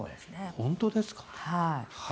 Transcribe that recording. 本当ですか。